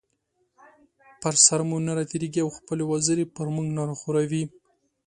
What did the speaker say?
پر سر مو نه راتېريږي او خپلې وزرې پر مونږ نه راخوروي